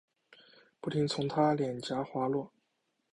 不停从她脸颊滑落